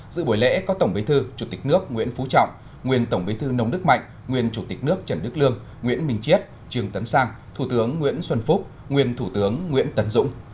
dự buổi lễ có tổng bế thư chủ tịch nước nguyễn phú trọng nguyên tổng bí thư nông đức mạnh nguyên chủ tịch nước trần đức lương nguyễn minh chiết trường tấn sang thủ tướng nguyễn xuân phúc nguyên thủ tướng nguyễn tấn dũng